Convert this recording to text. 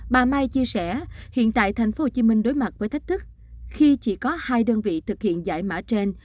bà mai chia sẻ hiện tại thành phố hồ chí minh đối mặt với thách thức khi chỉ có hai đơn vị thực hiện giải mã trên